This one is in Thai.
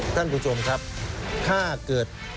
ท่านผู้ชมครับถ้าเกิด